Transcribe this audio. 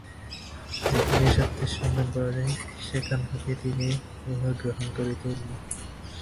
যেখানেই সত্যের সন্ধান পাওয়া যায়, সেখান হইতেই তিনি উহা গ্রহণ করিতে উন্মুখ।